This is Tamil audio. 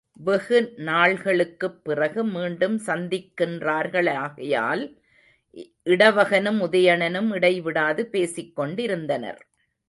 வெகு நாள்களுக்குப் பிறகு மீண்டும் சந்திக்கின்றார்களாகையால் இடவகனும் உதயணனும் இடை விடாது பேசிக்கொண்டிருந்தனர்.